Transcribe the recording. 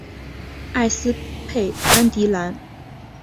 埃斯佩安迪兰。